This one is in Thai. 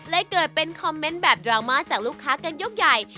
เกิดเป็นคอมเมนต์แบบดราม่าจากลูกค้ากันยกใหญ่